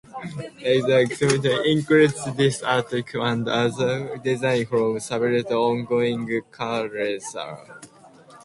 The exhibition included this artwork and other graphic design from Saville's ongoing career.